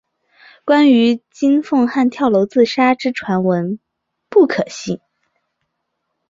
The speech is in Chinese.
关于金凤汉跳楼自杀之传闻不可信。